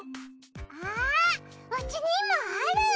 あぁうちにもある！